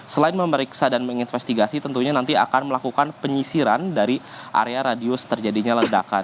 selain memeriksa dan menginvestigasi tentunya nanti akan melakukan penyisiran dari area radius terjadinya ledakan